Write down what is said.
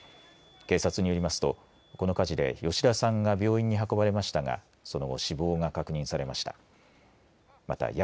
警察によりますとこの火事で吉田さんが病院に運ばれましたがその後、死亡が確認されました。